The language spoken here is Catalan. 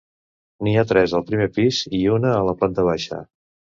N’hi ha tres al primer pis i una a la planta baixa.